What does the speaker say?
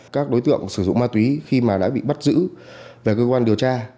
các đối tượng sử dụng ma túy khi mà đã bị bắt giữ về cơ quan điều tra